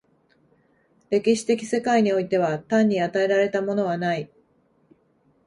歴史的世界においては単に与えられたものはない。